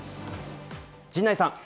陣内さん。